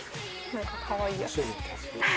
何かかわいいやつ。